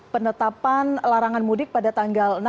penetapan larangan mudik pada tanggal enam